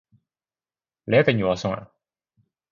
你一定要送我啊